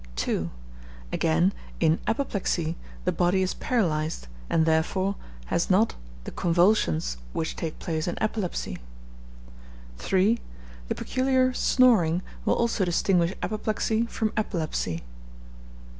2. Again, in apoplexy, the body is paralyzed; and, therefore, has not the convulsions which take place in epilepsy. 3. The peculiar snoring will also distinguish apoplexy from epilepsy.